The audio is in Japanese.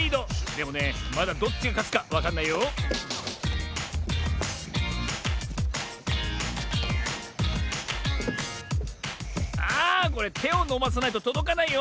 でもねまだどっちがかつかわかんないよああこれてをのばさないととどかないよ。